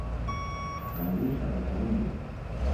Walisha wikilindia